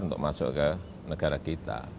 untuk masuk ke negara kita